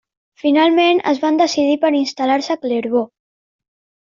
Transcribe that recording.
Finalment, es van decidir per instal·lar-se a Clervaux.